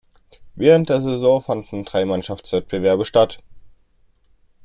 Während der Saison fanden drei Mannschaftswettbewerbe statt.